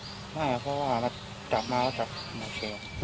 ไม่เพราะว่าจับมาแล้วจับมาเชียว